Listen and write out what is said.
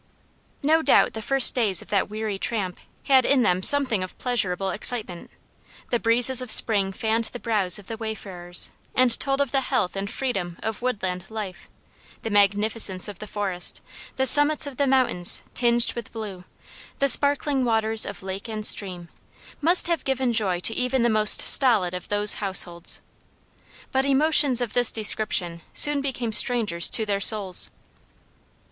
No doubt the first days of that weary tramp had in them something of pleasurable excitement; the breezes of spring fanned the brows of the wayfarers, and told of the health and freedom of woodland life; the magnificence of the forest, the summits of the mountains, tinged with blue, the sparkling waters of lake and stream, must have given joy to even the most stolid of those households. But emotions of this description soon became strangers to their souls.